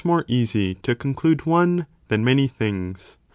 more easy to conclude one, than many things.